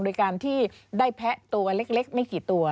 โดยการที่ได้แพะตัวเล็กไม่กี่ตัว